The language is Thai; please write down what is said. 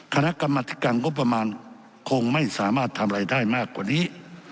คณะกรรมธิการงบประมาณคงไม่สามารถทำอะไรได้มากกว่านี้